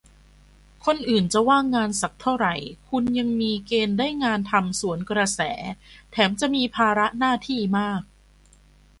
คนอื่นจะว่างงานสักเท่าไหร่คุณยังมีเกณฑ์ได้งานทำสวนกระแส แถมจะมีภาระหน้าที่มาก